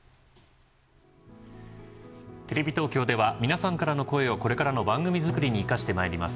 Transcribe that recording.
テレビ東京では皆さんからの声をこれからの番組作りに活かしてまいります。